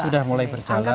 sudah mulai berjalan